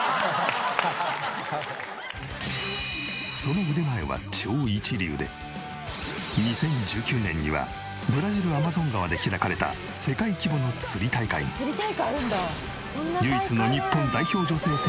その腕前は超一流で２０１９年にはブラジルアマゾン川で開かれた世界規模の釣り大会に唯一の日本代表女性選手として出場。